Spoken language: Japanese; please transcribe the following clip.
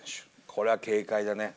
これは警戒だね。